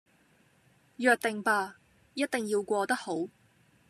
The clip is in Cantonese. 約定吧......一定要過得好